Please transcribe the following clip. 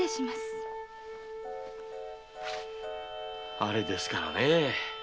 あれですからね。